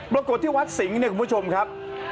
ปรากฏที่วัดสิงห์เนี่ยคุณผู้ชมครับ